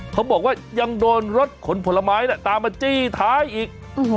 เขาบอกว่ายังโดนรถขนผลไม้ตามมาจี้ท้ายอีก